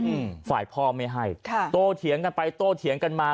อืมฝ่ายพ่อไม่ให้ค่ะโตเถียงกันไปโตเถียงกันมา